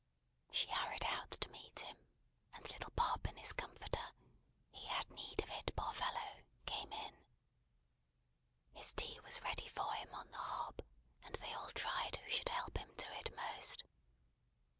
She hurried out to meet him; and little Bob in his comforter he had need of it, poor fellow came in. His tea was ready for him on the hob, and they all tried who should help him to it most.